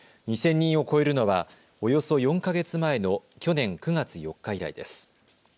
２０００人を超えるのはおよそ４か月前の去年９月４日以来です。